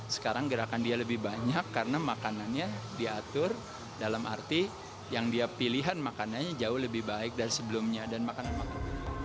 sekarang gerakan dia lebih banyak karena makanannya diatur dalam arti yang dia pilihan makanannya jauh lebih baik dari sebelumnya dan makanan makanan